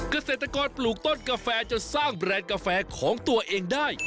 เกษตรกรปลูกต้นกาแฟจนสร้างแบรนด์กาแฟของตัวเองได้